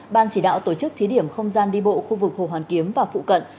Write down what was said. ban chỉ đạo tổ chức thí điểm không gian đi bộ khu vực hồ hoàn kiếm và phụ cận